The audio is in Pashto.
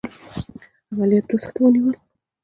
عملیات دوه ساعته ونیول.